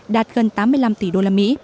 đạt gần tám mươi năm tỷ usd